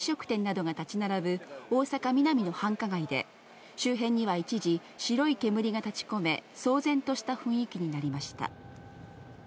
現場はなんばグランド花月にも程近い、飲食店などが建ち並ぶ大阪・ミナミの繁華街で、周辺には一時、白い煙が立ちこめ、騒然とした雰囲気になりました。